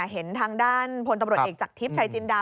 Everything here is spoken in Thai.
เห็นทางด้านพลตำรวจเอกจากทิพย์ชายจินดา